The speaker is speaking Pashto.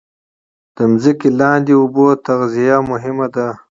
د ځمکې لاندې اوبو تغذیه مهمه ده